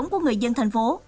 của người dân thành phố